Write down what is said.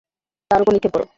তার উপর নিক্ষেপ কর।